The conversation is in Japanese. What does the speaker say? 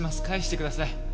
返してください。